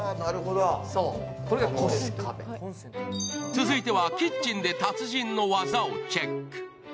続いてはキッチンで達人の技をチェック。